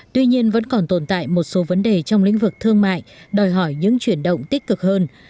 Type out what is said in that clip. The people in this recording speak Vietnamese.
tuy nhiên vẫn còn tồn tại một số vấn đề trong lĩnh vực thương mại đòi hỏi những chuyển động tích cực hơn